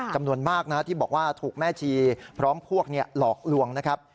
จำนวนมากนะที่บอกว่าถูกแม่ชีพร้อมพวกหลอกลวงนะครับ